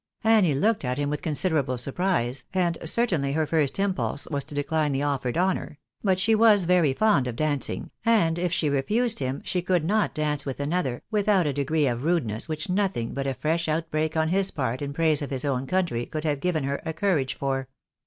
Annie looked at him with considerable surprise, and certainly lOG THE BAEKABYS IN AJIEEICA. her first impulse was to decline the offered honour ; but she was very fond of dancing, and if she refused him she could not dance with another, without a degree of rudeness which nothing but a fresh out break on his part in praise of his own country could have given her a courage for.